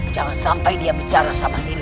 jangan sampai dia bicara sama si iliwadi